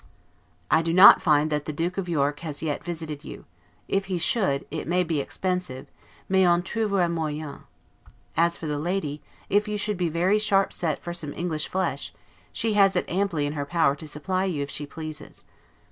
I do not find that the Duke of York has yet visited you; if he should, it may be expensive, 'mais on trouvera moyen'. As for the lady, if you should be very sharp set for some English flesh, she has it amply in her power to supply you if she pleases.